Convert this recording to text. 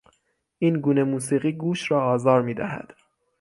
این گونه موسیقی گوش را آزار میدهد.